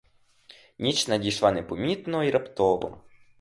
Ніч надійшла непомітно й раптово.